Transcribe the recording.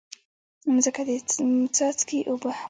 مځکه د څاڅکي اوبه هم قدر کوي.